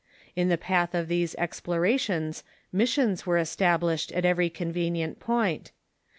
In the path of these explorations missions were established at every con venient point.